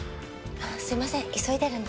すいません急いでるんで。